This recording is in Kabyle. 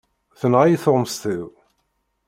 Tenɣa-yi tuɣmest-iw.